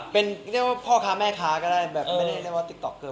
เป็นพ่อข้าแม่ข้าก็ได้ไม่ได้เรียกอย่ากับติ๊กต๊อกเกอร์